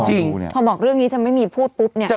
พอบอกเรื่องนี้จะไม่มีพูดปุ๊บเนี่ย